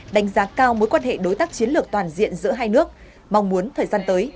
đánh giá cao mối quan hệ đối tác chiến lược toàn diện giữa hai nước mong muốn thời gian tới